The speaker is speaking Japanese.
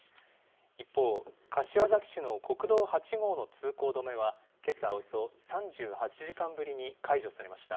一方、柏崎市の国道８号の通行止めは、けさ、およそ３８時間ぶりに解除されました。